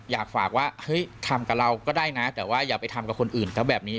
อยากฝากว่าเฮ้ยทำกับเราก็ได้นะแต่ว่าอย่าไปทำกับคนอื่นเขาแบบนี้